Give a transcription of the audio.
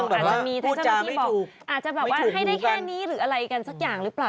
มีเรื่องแบบว่าพูดจำไม่ถูกอาจจะบอกว่าให้ได้แค่นี้หรืออะไรกันสักอย่างหรือเปล่า